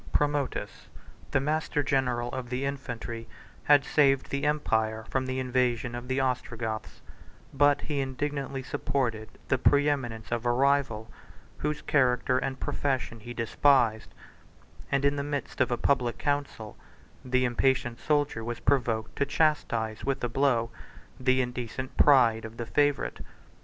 Promotus, the master general of the infantry, had saved the empire from the invasion of the Ostrogoths; but he indignantly supported the preeminence of a rival, whose character and profession he despised; and in the midst of a public council, the impatient soldier was provoked to chastise with a blow the indecent pride of the favorite.